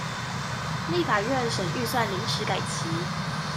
立法院審預算臨時改期